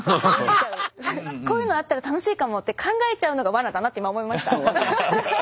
こういうのあったら楽しいかもって考えちゃうのが罠だなって今思いました。